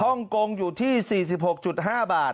ฮ่องกงอยู่ที่๔๖๕บาท